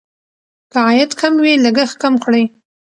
که عاید کم وي لګښت کم کړئ.